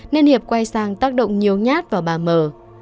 nên hiệp quay sang tác động nhiều nhát vào ba mơ